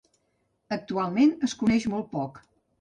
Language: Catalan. Actualment, es coneix molt poc.